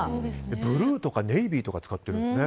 ブルーとかネイビーとか使ってるんですね。